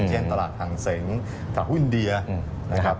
เช่นตลาดทางเสงส์ตลาดภูมิอินเดียนะครับ